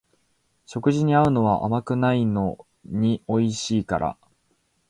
食事に合うのは甘くないのにおいしいから